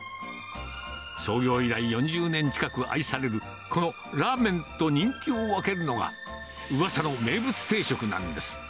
創業以来４０年近く愛される、このラーメンと人気を分けるのが、うわさの名物定食なんです。